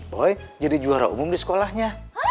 boy jadi juara umum di sekolahnya